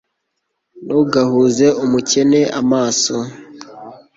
ntugahunze umukene amaso